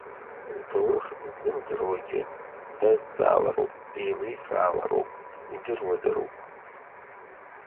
Зҭоурых ззымдыруагьы дазҵаалароуп, еиликаалароуп, идыруазароуп.